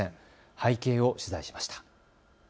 背景を取材しました。